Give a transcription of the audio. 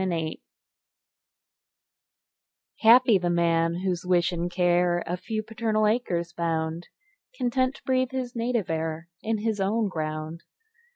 Y Z Solitude HAPPY the man, whose wish and care A few paternal acres bound, Content to breathe his native air In his own ground.